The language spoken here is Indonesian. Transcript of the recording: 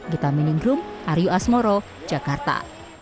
gita meningrum aryu asmoro jakarta